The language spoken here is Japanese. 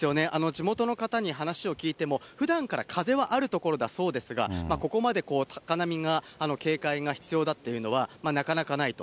地元の方に話を聞いても、ふだんから風はある所だそうですが、ここまで高波が警戒が必要だっていうのは、なかなかないと。